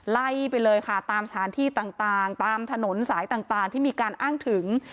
ไล่ไปเลยค่ะตามสถานที่ต่างตามถนนสายต่างที่มีการอ้างถึง